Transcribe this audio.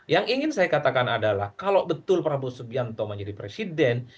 yang ingin saya katakan adalah kalau betul prabowo subianto menjadi presiden